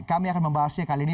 kami akan membahasnya kali ini